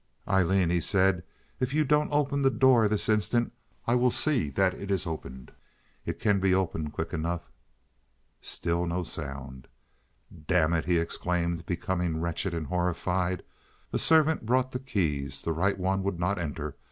"Aileen," he said, "if you don't open the door this instant I will see that it is opened. It can be opened quick enough." Still no sound. "Damn it!" he exclaimed, becoming wretched, horrified. A servant brought the keys. The right one would not enter.